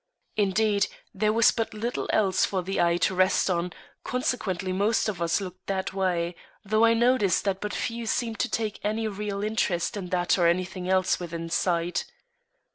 Indeed, there was but little else for the eye to rest on, consequently most of us looked that way, though I noticed that but few seemed to take any real interest in that or anything else within sight.